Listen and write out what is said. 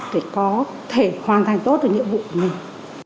để có thể hoàn thành tốt được nhiệm vụ của mình